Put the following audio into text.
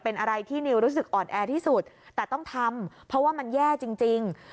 เป็นอะไรที่นิวรู้สึกอ่อนแอที่สุดแต่ต้องทำเพราะว่ามันแย่จริง